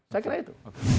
saya kira itu